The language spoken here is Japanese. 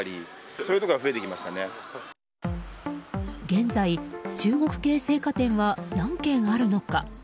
現在、中国系青果店は何軒あるのか？